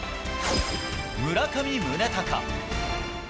村上宗隆。